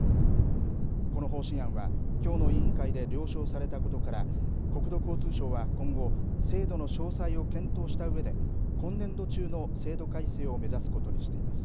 この方針案は、きょうの委員会で了承されたことから、国土交通省は今後、制度の詳細を検討したうえで、今年度中の制度改正を目指すことにしています。